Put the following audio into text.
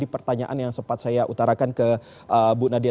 pertanyaan yang sempat saya utarakan ke bu nadia